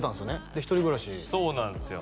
で一人暮らしそうなんすよ